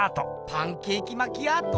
パンケーキマキアート？